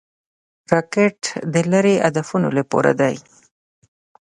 راکټ د لیرې هدفونو لپاره دی